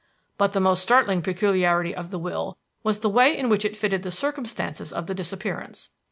"But the most startling peculiarity of the will was the way in which it fitted the circumstances of the disappearance.